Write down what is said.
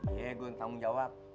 iya gue yang tanggung jawab